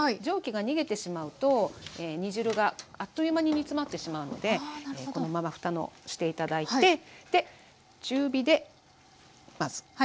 蒸気が逃げてしまうと煮汁があっという間に煮詰まってしまうのでこのままふたのして頂いて。